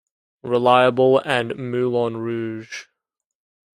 Reliable" and "Moulin Rouge!".